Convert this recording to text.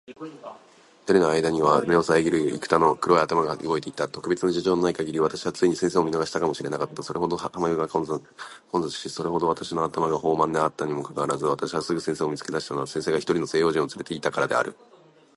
二人の間あいだには目を遮（さえぎ）る幾多の黒い頭が動いていた。特別の事情のない限り、私はついに先生を見逃したかも知れなかった。それほど浜辺が混雑し、それほど私の頭が放漫（ほうまん）であったにもかかわらず、私がすぐ先生を見付け出したのは、先生が一人の西洋人を伴（つ）れていたからである。